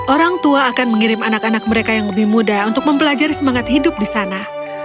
orang tua akan mengirim anak anak mereka yang lebih muda untuk mempelajari semangat hidup di sana